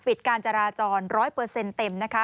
ปิดการจราจร๑๐๐เต็มนะคะ